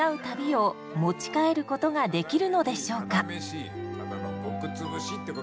旅を持ち帰ることができるのでしょうか？